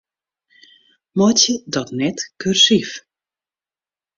Meitsje dat net kursyf.